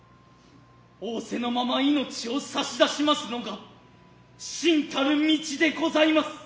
仰せのまま生命をさし出しますのが臣たる道でございます。